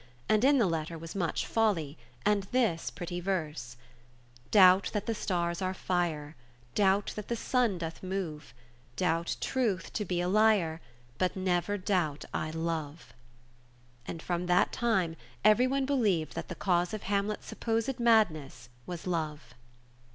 And in the letter was much folly, and this pretty verse — "Doubt that the stars are fire; Doubt that the sun doth move; Doubt truth to be a liar ; But never doubt I love." And from that time everyone believed that the cause of Hamlet's supposed madness was love.